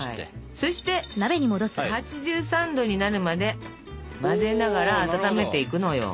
そして８３℃になるまで混ぜながら温めていくのよ。